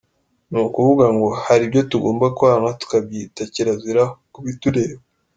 Ni kuvuga ngo, hari ibyo tugomba kwanga, tukabyita kirazira ku bitureba.